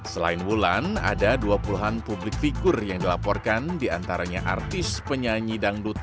selain wulan ada dua puluhan publik figur yang dilaporkan diantaranya artis penyanyi dangdut